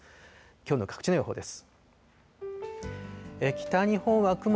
きょうの各地の予報です。